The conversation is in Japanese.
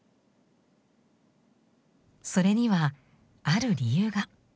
それにはある理由が。